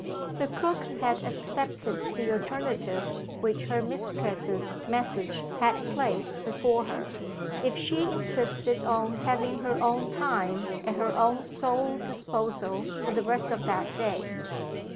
The cook had accepted the alternative which her mistress's message had placed before her, if she insisted on having her own time at her own sole disposal for the rest of that day.